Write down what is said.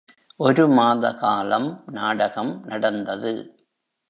ஒரு மாத காலம் நாடகம் நடந்தது.